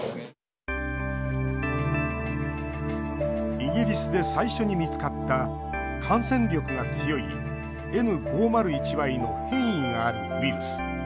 イギリスで最初に見つかった感染力が強いＮ５０１Ｙの変異があるウイルス。